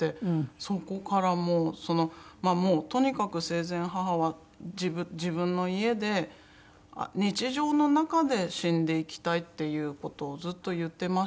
そこからもうもうとにかく生前母は自分の家で日常の中で死んでいきたいっていう事をずっと言ってましたので。